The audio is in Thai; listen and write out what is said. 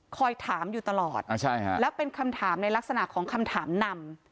คอยถามอยู่ตลอดแล้วเป็นคำถามในลักษณะของคำถามนำ